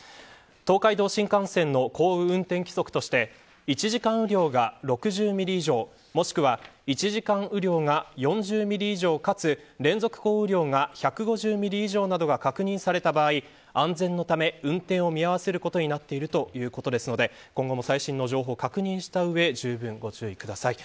東海道新幹線の降雨運転規則として１時間雨量が６０ミリ以上もしくは、１時間雨量が４０ミリ以上かつ連続降雨量が１５０ミリ以上などが確認された場合安全のため運転を見合わせることになっているということですので今後の最新の情報を確認した上じゅうぶんご注意ください。